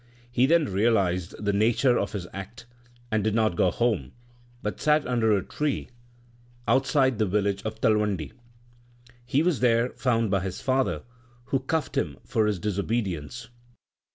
He then realized the nature of his act, and did not go home, but sat under a tree outside the village of Talwandi. He was there found by his father, who cuffed him for his dis obedience.